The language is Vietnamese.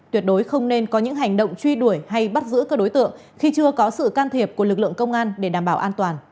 tuyệt đối không nên có những hành động truy đuổi hay bắt giữ các đối tượng khi chưa có sự can thiệp của lực lượng công an để đảm bảo an toàn